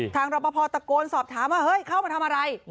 รอปภตะโกนสอบถามว่าเฮ้ยเข้ามาทำอะไร